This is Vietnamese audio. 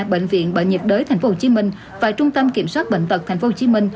bệnh viện bệnh nhiệt đới tp hcm và trung tâm kiểm soát bệnh tật tp hcm